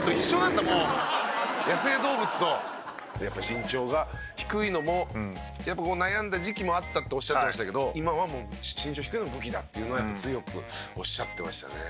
身長が低いのもやっぱ悩んだ時期もあったっておっしゃってましたけど今はもう身長低いのが武器だっていうのは強くおっしゃってましたね。